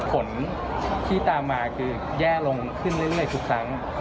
ผลที่ตามมาคือแย่ลงขึ้นเรื่อยทุกครั้ง